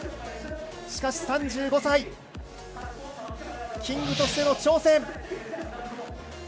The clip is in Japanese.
しかし、３５歳キングとしての挑戦。